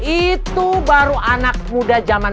itu baru anak muda zaman